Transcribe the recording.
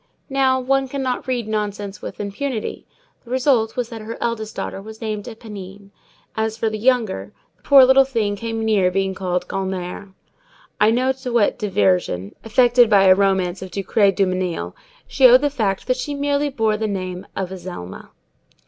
Now, one cannot read nonsense with impunity. The result was that her eldest daughter was named Éponine; as for the younger, the poor little thing came near being called Gulnare; I know not to what diversion, effected by a romance of Ducray Dumenil, she owed the fact that she merely bore the name of Azelma.